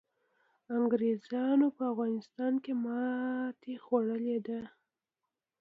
انګریزانو په افغانستان کي ماتي خوړلي ده.